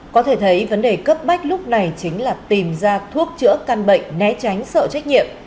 có thể thấy vấn đề cấp bách lúc này chính là tìm ra thuốc chữa căn bệnh né tránh sợ trách nhiệm